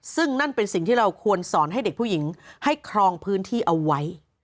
ซึ่งนั่นเป็นสิ่งที่เราควรสอนให้เด็กผู้หญิงให้ครองพื้นที่เอาไว้